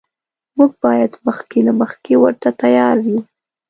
موږ باید مخکې له مخکې ورته تیار یو.